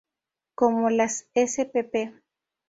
Como las spp.